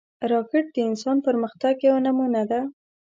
راکټ د انسان پرمختګ یوه نمونه ده